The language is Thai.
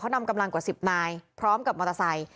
นำกำลังกว่า๑๐นายพร้อมกับมอเตอร์ไซค